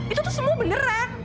itu tuh semua beneran